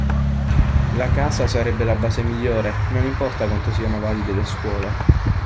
La casa sarebbe la base migliore, non importa quanto siano valide le scuole".